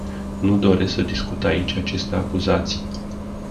Nu doresc să discut aici aceste acuzații.